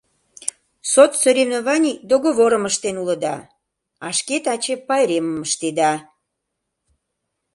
Соцсоревнований договорым ыштен улыда, а шке таче пайремым ыштеда...